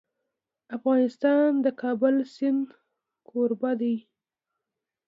افغانستان د د کابل سیند کوربه دی.